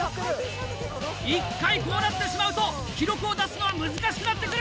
１回こうなってしまうと記録を出すのは難しくなってくる！